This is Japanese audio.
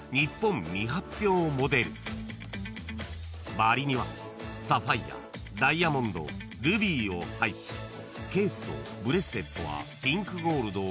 ［周りにはサファイアダイヤモンドルビーを配しケースとブレスレットはピンクゴールドを使用した］